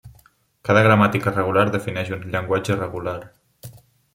Cada gramàtica regular defineix un llenguatge regular.